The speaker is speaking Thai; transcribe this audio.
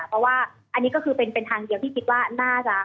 เพราะว่าอันนี้ก็คือเป็นทางเดียวที่คิดว่าน่าจะ